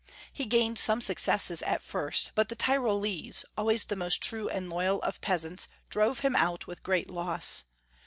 He gained some successes at first, but the Tyrolese, always the most true and loyal of peasants, drove him out with great loss.